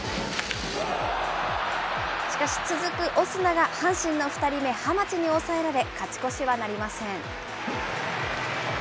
しかし、続くオスナが阪神の２人目、浜地に抑えられ、勝ち越しはなりません。